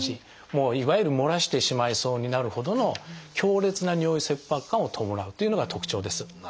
いわゆるもらしてしまいそうになるほどの強烈な尿意切迫感を伴うというのが特徴です。